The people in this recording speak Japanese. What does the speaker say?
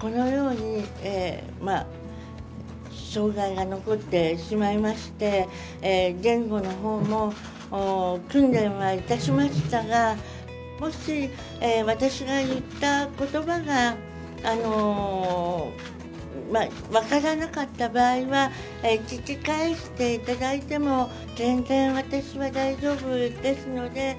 このように障がいが残ってしまいまして、言語のほうも訓練はいたしましたが、もし、私が言ったことばが、分からなかった場合は、聞き返していただいても全然、私は大丈夫ですので。